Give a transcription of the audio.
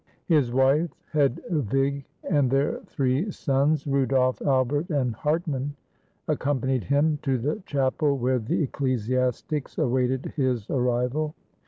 His wife, Hedwige, and their three sons, Ru 257 AUSTRIA HUNGARY dolf, Albert, and Hartman, accompanied him to the chapel where the ecclesiastics awaited his arrival.